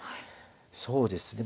そうですね